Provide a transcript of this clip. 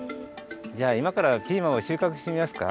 じゃあいまからピーマンをしゅうかくしてみますか？